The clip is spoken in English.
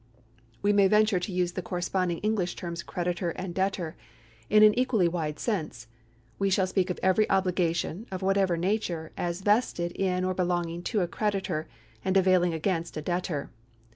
We may venture to use the corresponding English terms creditor and debtor in an equally wide sense. We shall speak of every obligation, of whatever nature, as vested in or belonging to a creditor, and availing against a debtor.